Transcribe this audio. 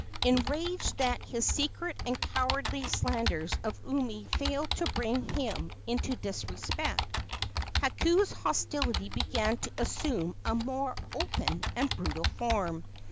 Enraged that his secret and cowardly slanders of Umi failed to bring him into disrespect, Hakau's hostility began to assume a more open and brutal form.